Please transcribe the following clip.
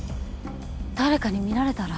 誰かに見られたら。